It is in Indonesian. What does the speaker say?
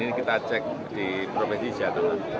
ini kita cek di provinsi jatah